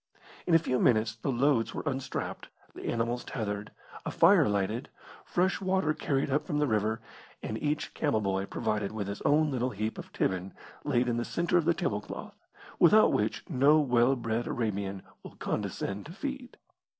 In a few minutes the loads were unstrapped, the animals tethered, a fire lighted, fresh water carried up from the river, and each camel boy provided with his own little heap of tibbin laid in the centre of the table cloth, without which no well bred Arabian will condescend to feed.